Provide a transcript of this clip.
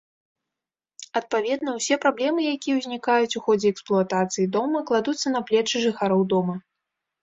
Адпаведна ўсе праблемы, якія ўзнікаюць у ходзе эксплуатацыі дома, кладуцца на плечы жыхароў дома.